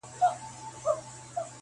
له ازله تر ابده په همدې رنځ مبتلا یو -